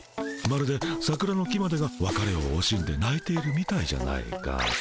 まるでさくらの木までがわかれをおしんでないているみたいじゃないか」。